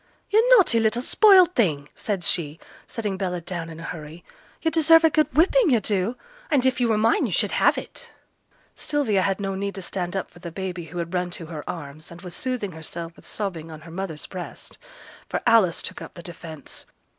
'Yo' naughty little spoilt thing!' said she, setting Bella down in a hurry. 'Yo' deserve a good whipping, yo' do, and if yo' were mine yo' should have it.' Sylvia had no need to stand up for the baby who had run to her arms, and was soothing herself with sobbing on her mother's breast; for Alice took up the defence.